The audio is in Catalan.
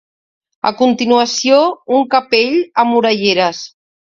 A continuació un capell amb orelleres.